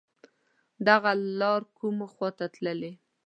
دغه لار کوم خواته تللی